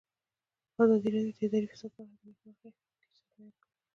ازادي راډیو د اداري فساد په اړه د نېکمرغۍ کیسې بیان کړې.